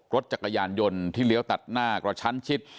รถจักรยานยนต์ที่เลี้ยวตัดหน้ากระชั้นชิด